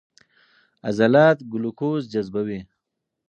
عضلات ګلوکوز جذبوي.